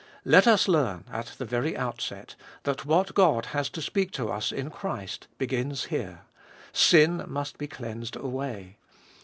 Let us learn, at the very outset, that what God has to speak to us in Christ begins here : sin must be cleansed away.